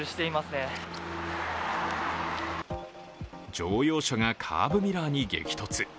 乗用車がカーブミラーに激突。